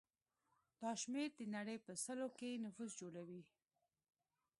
دا شمېر د نړۍ په سلو کې نفوس جوړوي.